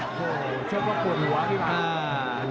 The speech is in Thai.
โหชกว่ากวดหัวพี่บ้าน